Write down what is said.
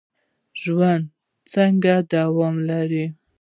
ژوند څنګه دوام لري؟